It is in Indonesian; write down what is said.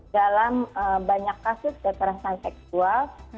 dalam banyak kasus kekerasan seksual